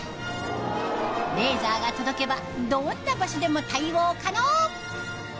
レーザーが届けばどんな場所でも対応可能。